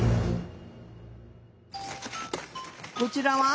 こちらは？